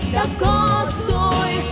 đã có rồi